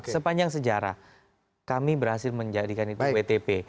sepanjang sejarah kami berhasil menjadikan itu wtp